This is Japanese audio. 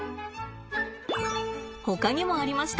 ほかにもありました。